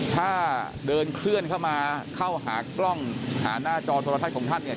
ถ้าเดินเคลื่อนเข้ามาเข้าหากล้องหาหน้าจอโทรทัศน์ของท่านเนี่ย